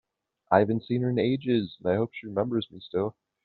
I haven’t seen her in ages, and I hope she remembers me still!